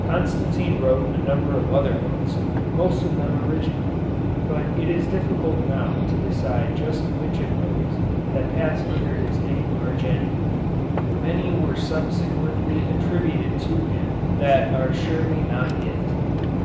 Constantine wrote a number of other books, most of them original, but it is difficult now to decide just which of those that pass under his name are genuine. Many were subsequently attributed to him that are surely not his.